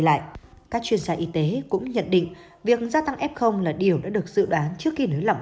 lại các chuyên gia y tế cũng nhận định việc gia tăng f là điều đã được dự đoán trước khi nới lỏng